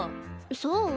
そう？